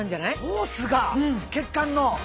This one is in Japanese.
ホースが血管の。